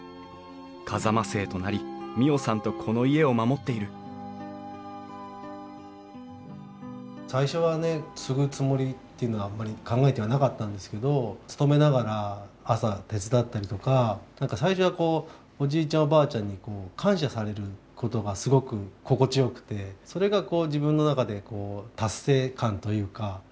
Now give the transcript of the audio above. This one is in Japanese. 風間姓となり未央さんとこの家を守っている最初はね継ぐつもりっていうのはあんまり考えてはなかったんですけど勤めながら朝手伝ったりとか何か最初はこうおじいちゃんおばあちゃんに感謝されることがすごく心地よくてそれが自分の中で達成感というかあっ農業って面白いなあと。